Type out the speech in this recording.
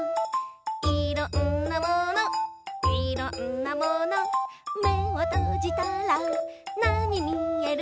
「いろんなものいろんなもの」「めをとじたらなにみえる？